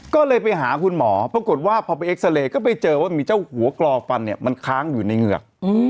ก็เลยไปหาคุณหมอปรากฏว่าพอไปเอ็กซาเรย์ก็ไปเจอว่ามีเจ้าหัวกรอฟันเนี่ยมันค้างอยู่ในเหงือก